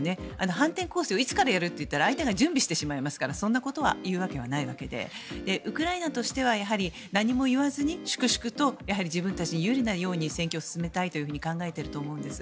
反転攻勢をいつからやると言ったら相手が準備してしまいますからそんなことは言うわけはないわけでウクライナとしては何も言わずに粛々と自分たちに有利なように戦況を進めたいと考えていると思うんです。